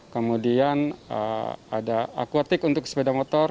kemudian ada aquatik untuk sepeda motor